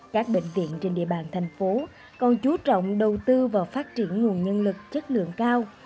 các bệnh viện trên địa bàn thành phố còn chú trọng đầu tư vào phát triển nguồn nhân lực chất lượng cao